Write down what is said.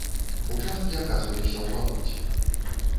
Участкі аказваліся ў балоце.